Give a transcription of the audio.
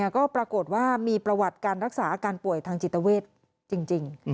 ก็ปรากฏว่ามีประวัติการรักษาอาการป่วยทางจิตเวทจริง